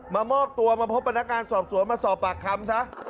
มามอบตัวมาพบพนักงานสอบสวนมาสอบปากคำซะ